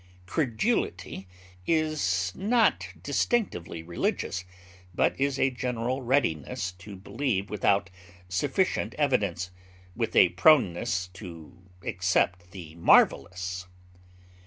Credulity is not distinctively religious, but is a general readiness to believe without sufficient evidence, with a proneness to accept the marvellous.